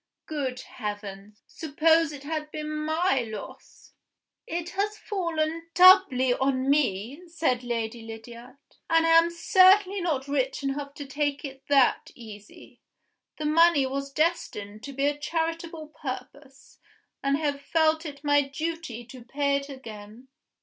Good heavens! suppose it had been my loss!" "It has fallen doubly on me," said Lady Lydiard; "and I am certainly not rich enough to take it that easy. The money was destined to a charitable purpose; and I have felt it my duty to pay it again."